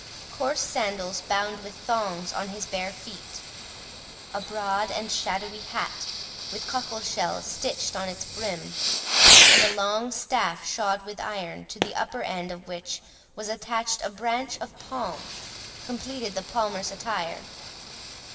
Coarse sandals, bound with thongs, on his bare feet; a broad and shadowy hat, with cockle shells stitched on its brim, and a long staff shod with iron, to the upper end of which was attached a branch of palm, completed the palmer's attire.